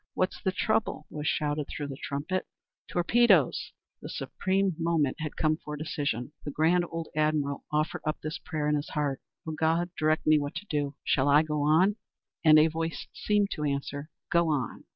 "What's the trouble?" was shouted through the trumpet. "Torpedoes." The supreme moment had come for decision. The grand old admiral offered up this prayer in his heart, "O God, direct me what to do. Shall I go on?" And a voice seemed to answer, "Go on!"